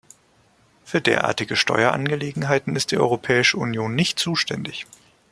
Für derartige Steuerangelegenheiten ist die Europäische Union nicht zuständig.